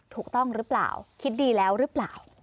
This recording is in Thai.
ถูกต้องหรือเปล่าคิดดีแล้วหรือเปล่า